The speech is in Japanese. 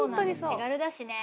手軽だしね。